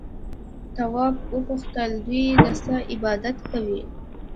تواب وپوښتل دوی د څه عبادت کوي؟